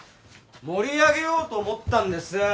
盛り上げようと思ったんです。